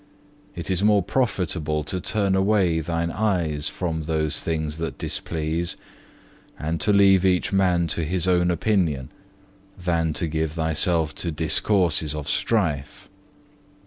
It is more profitable to turn away thine eyes from those things that displease, and to leave each man to his own opinion, than to give thyself to discourses of strife.